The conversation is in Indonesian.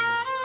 jadi itu kan